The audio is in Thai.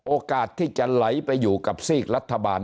โอกาสที่จะไหลไปอยู่กับซีกรัฐบาล